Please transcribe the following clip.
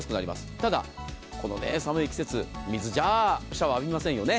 ただ、この寒い季節水じゃシャワー浴びません。